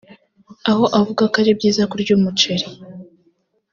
aho avuga ko ari byiza kurya umuceri